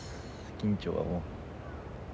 緊張はもう。